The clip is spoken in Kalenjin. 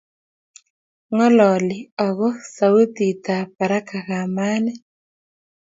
ngololi ago sautitab baraka kamanin